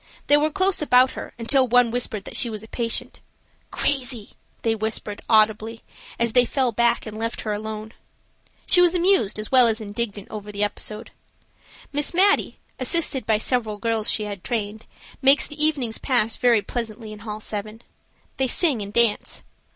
They were close about her until one whispered that she was a patient. "Crazy!" they whispered, audibly, as they fell back and left her alone. She was amused as well as indignant over the episode. Miss Mattie, assisted by several girls she has trained, makes the evenings pass very pleasantly in hall 7. They sing and dance.